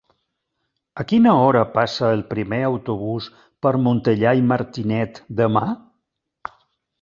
A quina hora passa el primer autobús per Montellà i Martinet demà?